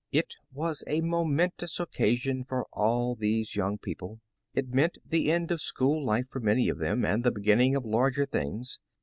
It was a momentous occasion for all these young people. It meant the end of school life for many of them, and the beginning of larger things.